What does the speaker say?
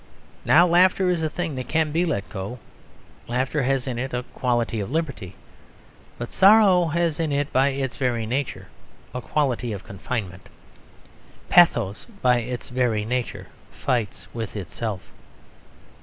Now laughter is a thing that can be let go; laughter has in it a quality of liberty. But sorrow has in it by its very nature a quality of confinement; pathos by its very nature fights with itself.